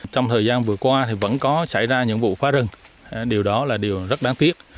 trong thời gian vừa qua thì vẫn có xảy ra những vụ phá rừng điều đó là điều rất đáng tiếc